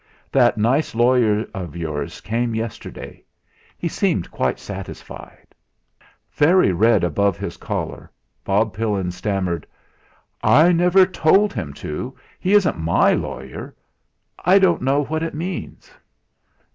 That nice lawyer of yours came yesterday. He seemed quite satisfied." Very red above his collar, Bob Pillin stammered: "I never told him to; he isn't my lawyer. I don't know what it means."